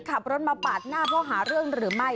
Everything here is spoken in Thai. ขับรถมาปาดหน้าเพราะหาเรื่องหรือไม่